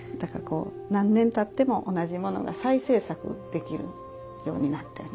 だからこう何年たっても同じものが再制作できるようになっております。